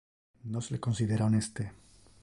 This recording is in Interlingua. Nos le considera honeste.